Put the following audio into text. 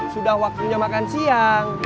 sudah waktunya makan siang